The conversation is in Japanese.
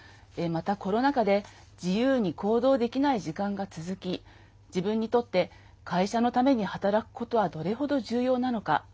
また、コロナ禍で自由に行動できない時間が続き自分にとって、会社のために働くことはどれほど重要なのか。